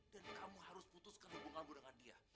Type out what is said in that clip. dan kamu harus putuskan hubunganmu dengan dia